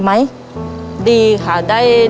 มันก็จะมีความสุขมีรอยยิ้ม